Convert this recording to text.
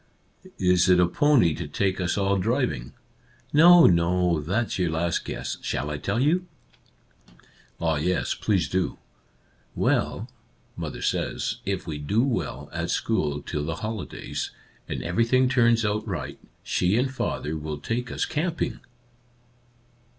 " Is it a pony to take us all driving? "" No, no. That's your last guess. Shall I tell you ?"" Ah, yes, please do !"" Well, — mother says, if we do well at school till the holidays, and everything turns out right, she and father — will — take us camping